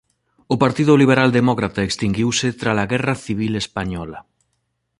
O Partido Liberal Demócrata extinguiuse tras a guerra civil española.